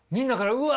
うわ。